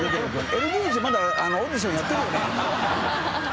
ＬＤＨ」まだオーディションやってるよね？